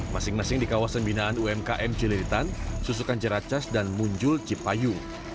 masing masing di kawasan binaan umkm ciliritan susukan jeracas dan munjul cipayung